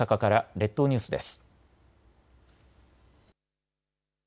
列島ニュースです。